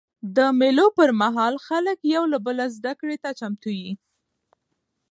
د مېلو پر مهال خلک یو له بله زدهکړې ته چمتو يي.